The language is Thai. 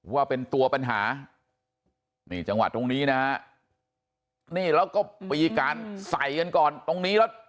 ว่าเป็นตัวปัญหานี่จังหวะตรงนี้นะฮะนี่แล้วก็ปีการใส่กันก่อนตรงนี้แล้ว